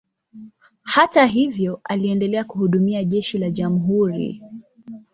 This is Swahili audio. Hata hivyo, aliendelea kuhudumia jeshi la jamhuri.